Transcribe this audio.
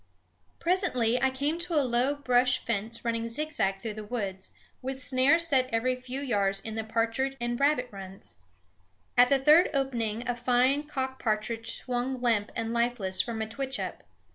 Presently I came to a low brush fence running zigzag through the woods, with snares set every few yards in the partridge and rabbit runs. At the third opening a fine cock partridge swung limp and lifeless from a twitch up.